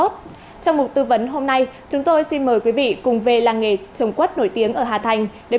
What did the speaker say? trong mỗi dịp tết đến xuân về